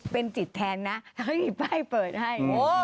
เป็นจิตแทนนะเขาก็หยิบไพ่เปิดให้